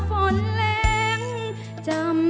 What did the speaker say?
เพลงที่สองเพลงมาครับ